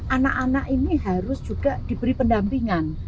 anak anak ini harus juga diberi pendampingan